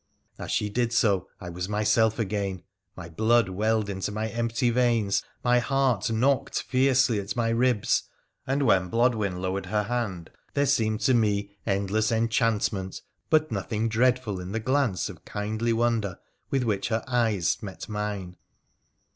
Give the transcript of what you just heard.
As she did so I was myself again — my blood welled into my empty veins, my heart knocked fiercely at my ribs, and when Blodwen lowered her hand there seemed to me endless enchantment but nothing dreadful in the glance oi kindly wonder with which her eyes met mine.